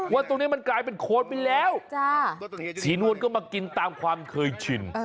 ว่าตรงนี้มันกลายเป็นโคนไปแล้วศรีนวลก็มากินตามความเคยชิน